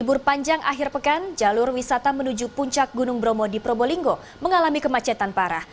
libur panjang akhir pekan jalur wisata menuju puncak gunung bromo di probolinggo mengalami kemacetan parah